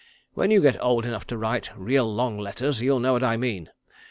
When you get old enough to write real long letters you'll know what I mean.